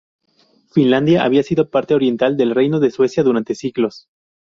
Finlandia había sido la parte oriental del Reino de Suecia durante siglos.